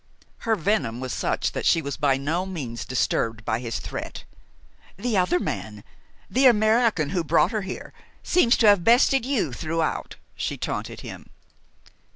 Her venom was such that she was by no means disturbed by his threat. "The other man the American who brought her here seems to have bested you throughout," she taunted him.